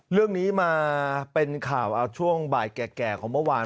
เรื่องนี้มาเป็นข่าวเอาช่วงบ่ายแก่ของเมื่อวาน